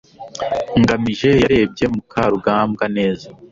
ngamije yarebye mukarugambwa neza